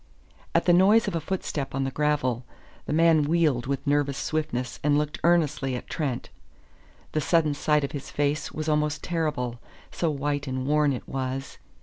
At the noise of a footstep on the gravel, the man wheeled with nervous swiftness and looked earnestly at Trent. The sudden sight of his face was almost terrible, so white and worn it was.